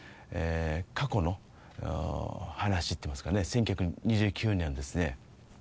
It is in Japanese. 過去の話っていいますかね１９２９年のですね